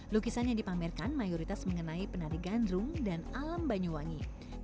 lukisan yang dipamerkan mayoritas mengenai penari gandrung dan alam banyuwangi